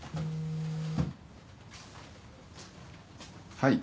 はい。